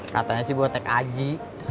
katanya sih botek aji